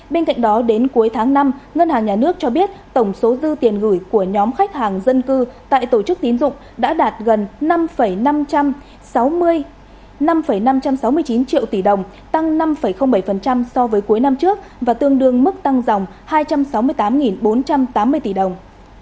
bên cạnh đó đến cuối tháng năm ngân hàng nhà nước cho biết tổng số dư tiền gửi của nhóm khách hàng dân cư tại tổ chức tín dụng đã đạt gần năm năm trăm sáu mươi chín triệu tỷ đồng tăng năm bảy so với cuối năm trước và tương đương mức tăng dòng hai trăm sáu mươi tám bốn trăm tám mươi tỷ đồng